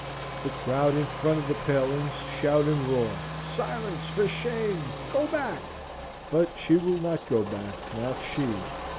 The crowd in front of the palings shout and roar, "Silence! for shame! go back!" but she will not go back, not she.